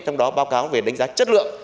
trong đó báo cáo về đánh giá chất lượng